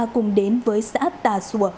cùng đến với xã tà sùa